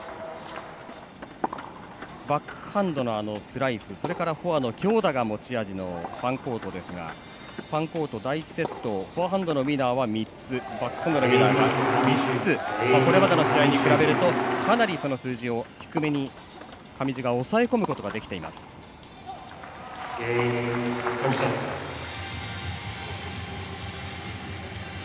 バックハンドのスライスそれからフォアの強打が持ち味のファンコートですがファンコート、第１セットフォアハンドのウイナーは３つバックのウイナーが５つこれまでの試合と比べるとかなりその数字を低めに上地が抑え込むことができています。